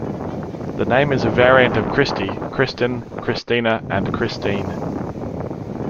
The name is a variant of Kristi, Kristin, Kristina, and Kristine.